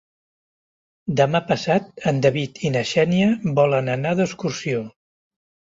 Demà passat en David i na Xènia volen anar d'excursió.